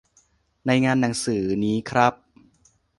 ในงานหนังสือนี้ครับ